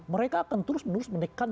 mereka akan terus menerus menekan